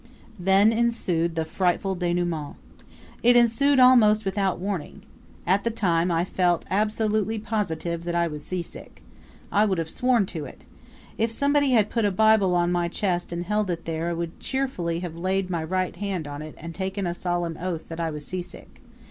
Then ensued the frightful denouement. It ensued almost without warning. At the time I felt absolutely positive that I was seasick. I would have sworn to it. If somebody had put a Bible on my chest and held it there I would cheerfully have laid my right hand on it and taken a solemn oath that I was seasick.